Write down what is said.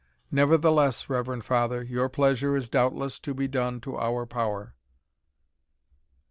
Nevertheless, reverend father, your pleasure is doubtless to be done to our power."